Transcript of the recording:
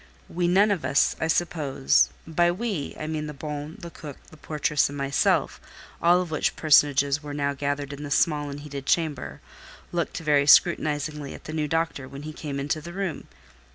We none of us, I suppose (by we I mean the bonne, the cook, the portress, and myself, all which personages were now gathered in the small and heated chamber), looked very scrutinizingly at the new doctor when he came into the room.